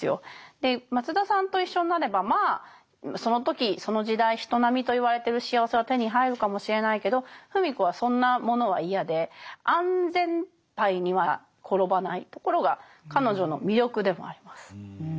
で松田さんと一緒になればまあその時その時代人並みといわれてる幸せは手に入るかもしれないけど芙美子はそんなものは嫌で安全パイには転ばないところが彼女の魅力でもあります。